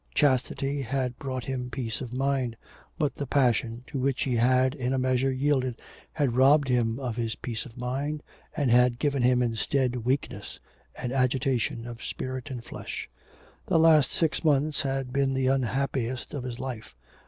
Chastity had brought him peace of mind, but the passion to which he had in a measure yielded had robbed him of his peace of mind, and had given him instead weakness, and agitation of spirit and flesh. The last six months had been the unhappiest of his life.